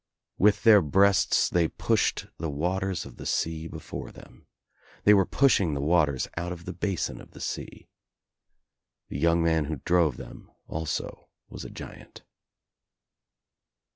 With their breasts I they pushed the waters of the sea before them. They L were pushing the waters out of the basin of the sea. t The young man who drove them also was a giant.